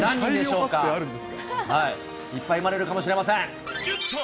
いっぱい生まれるかもしれません。